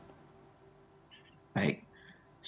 sebelum ini kami mengambil kesempatan